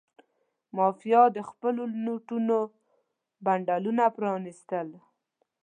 مافیا د خپلو نوټونو بنډلونه پرانستل.